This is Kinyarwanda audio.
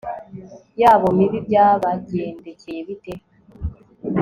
yabo mibi byabagendekeye bite